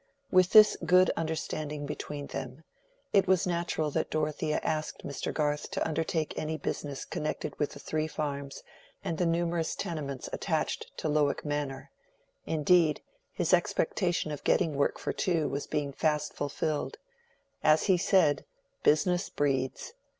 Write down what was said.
With this good understanding between them, it was natural that Dorothea asked Mr. Garth to undertake any business connected with the three farms and the numerous tenements attached to Lowick Manor; indeed, his expectation of getting work for two was being fast fulfilled. As he said, "Business breeds."